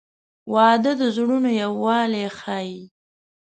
• واده د زړونو یووالی ښیي.